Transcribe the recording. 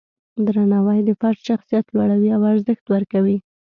درناوی د فرد شخصیت لوړوي او ارزښت ورکوي.